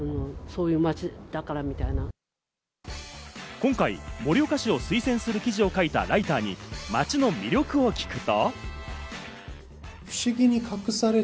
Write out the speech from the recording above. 今回、盛岡市を推薦する記事を書いたライターに街の魅力を聞くと。